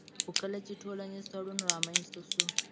خو کله چي ټولنيز تړون رامنځته سو